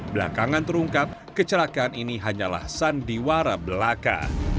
belakangan terungkap kecelakaan ini hanyalah sandiwara belaka